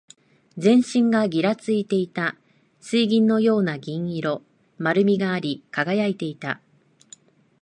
全身がぎらついていた。水銀のような銀色。丸みがあり、輝いていた。